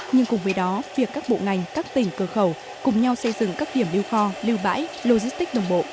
nhưng cùng với đó việc các bộ ngành các tỉnh cơ khẩu cùng nhau xây dựng các điểm lưu kho lưu bãi logistic đồng bộ